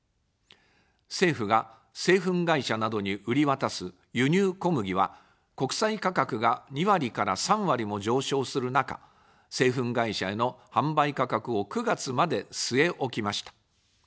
政府が製粉会社などに売り渡す輸入小麦は、国際価格が２割から３割も上昇する中、製粉会社への販売価格を９月まで据え置きました。